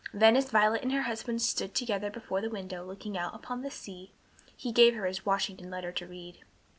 Then as Violet and her husband stood together before the window looking out upon the sea, he gave her his Washington letter to read.